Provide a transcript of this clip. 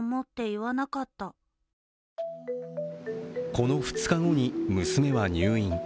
この２日後に娘は入院。